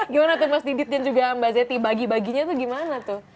gimana tuh mas didit dan juga mbak zeti bagi baginya tuh gimana tuh